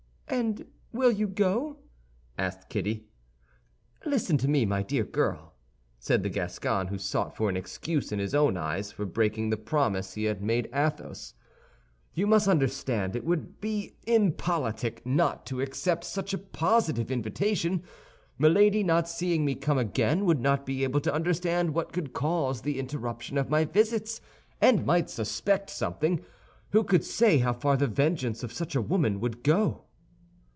"And will you go?" asked Kitty. "Listen to me, my dear girl," said the Gascon, who sought for an excuse in his own eyes for breaking the promise he had made Athos; "you must understand it would be impolitic not to accept such a positive invitation. Milady, not seeing me come again, would not be able to understand what could cause the interruption of my visits, and might suspect something; who could say how far the vengeance of such a woman would go?"